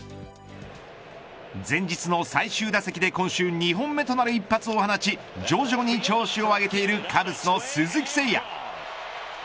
前日の最終打席で今週２本目となる一発を放ち徐々に調子を上げているカブスの鈴木誠也。